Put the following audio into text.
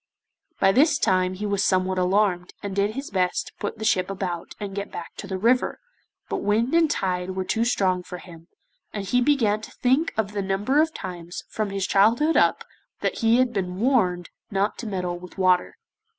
By this time he was somewhat alarmed, and did his best to put the ship about and get back to the river, but wind and tide were too strong for him, and he began to think of the number of times, from his childhood up, that he had been warned not to meddle with water.